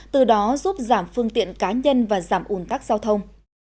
từ đó giúp giảm phương tiện cá nhân và giảm ủn tắc giao thông